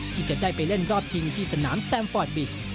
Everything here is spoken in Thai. ที่จะได้ไปเล่นรอบชิงที่สนามแซมฟอร์ดบิก